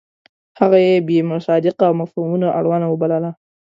هغه یې بې مصداقه او مفهومونو اړونه وبلله.